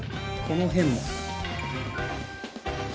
この辺も。